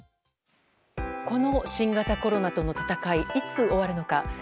この新型コロナとの闘いいつ終わるのか。